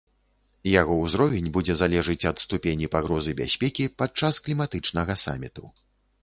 Яго ўзровень будзе залежыць ад ступені пагрозы бяспекі падчас кліматычнага саміту.